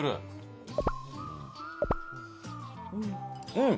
うん！